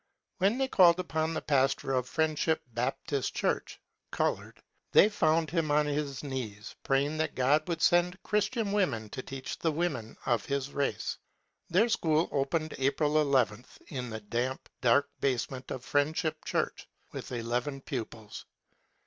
When they called upon the pastor of Friendship Baptist Church (colored), they found him on his knees praying that God would send Christian women to teach the women of his race. Their school opened April II, in the damp, dark basement of Friendship Church, with eleven pupils.